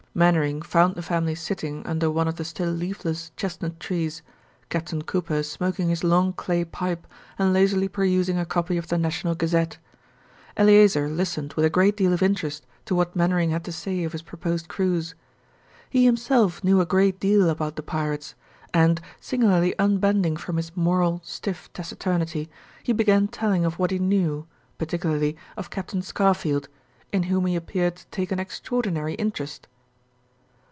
Mainwaring found the family sitting under one of the still leafless chestnut trees, Captain Cooper smoking his long clay pipe and lazily perusing a copy of the National Gazette. Eleazer listened with a great deal of interest to what Mainwaring had to say of his proposed cruise. He himself knew a great deal about the pirates, and, singularly unbending from his normal, stiff taciturnity, he began telling of what he knew, particularly of Captain Scarfield in whom he appeared to take an extraordinary interest.